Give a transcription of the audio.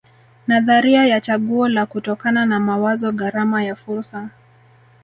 Nadharia ya chaguo la kutokana na mawazo gharama ya fursa